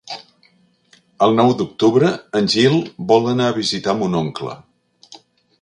El nou d'octubre en Gil vol anar a visitar mon oncle.